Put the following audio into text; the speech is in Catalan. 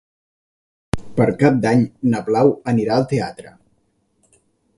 Per Cap d'Any na Blau anirà al teatre.